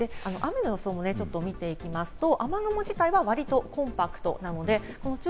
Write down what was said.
雨の予想も見ていきますと、雨雲自体はわりとコンパクト。